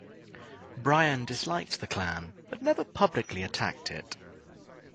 Bryan disliked the Klan but never publicly attacked it.